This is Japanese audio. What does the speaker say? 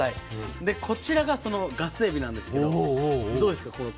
でこちらがそのガスエビなんですけどどうですか？